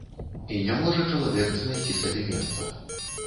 І не можа чалавек знайсці сабе месца.